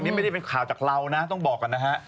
นี่ไม่ได้เป็นข่าวจากเรานะต้องบอกก่อนนะฮะ